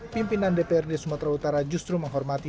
pimpinan dprd sumatera utara justru menghormati